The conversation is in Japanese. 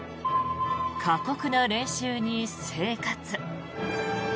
過酷な練習に生活。